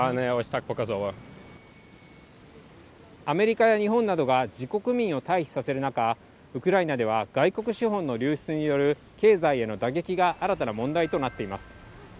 アメリカや日本などが、自国民を退避させる中、ウクライナでは外国資本の流出による経済への打撃が新たな問題となっています。